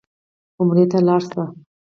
عمرې ته لاړ شه.